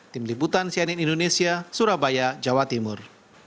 tim liputan cnn indonesia surabaya jawa timur